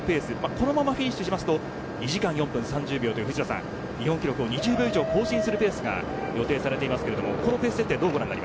このままフィニッシュすると２時間４分３０秒で日本記録を２０秒以上更新するペースが予定されています。